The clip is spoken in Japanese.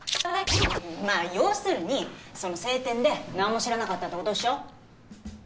まあ要するにその青天で何も知らなかったってことっしょ？